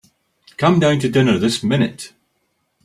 Come down to dinner this minute.